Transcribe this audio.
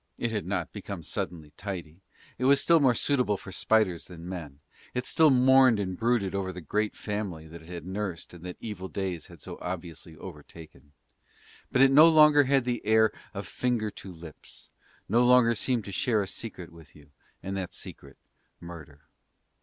It had not become suddenly tidy; it was still more suitable for spiders than men, it still mourned and brooded over the great family that it had nursed and that evil days had so obviously overtaken; but it no longer had the air of finger to lips, no longer seemed to share a secret with you, and that secret Murder.